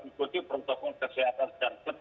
ikuti protokol kesehatan secara ketat